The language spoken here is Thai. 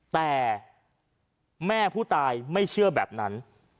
แต่แม่ผู้ตายไม่เชื่อแบบนั้น